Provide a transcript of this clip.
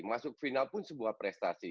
masuk final pun sebuah prestasi